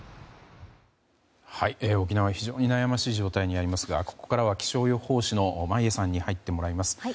沖縄、非常に悩ましい状態にありますがここからは気象予報士の眞家さんに入ってもらいます。